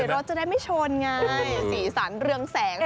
รถจะได้ไม่ชนง่ายสีสันเรืองแสงสะพอนไป